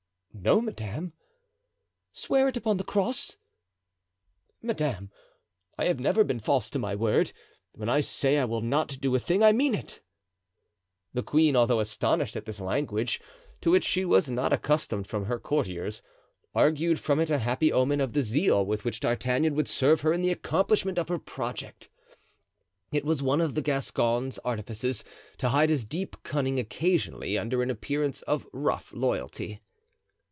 "No, madame." "Swear it upon the cross." "Madame, I have never been false to my word; when I say I will not do a thing, I mean it." The queen, although astonished at this language, to which she was not accustomed from her courtiers, argued from it a happy omen of the zeal with which D'Artagnan would serve her in the accomplishment of her project. It was one of the Gascon's artifices to hide his deep cunning occasionally under an appearance of rough loyalty.